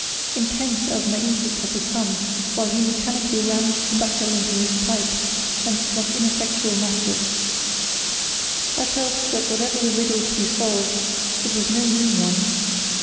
Intense as my interest had become, I waited almost timidly while he mechanically rammed tobacco into his pipe and struck ineffectual matches. I felt that whatever the riddle to be solved, it was no mean one.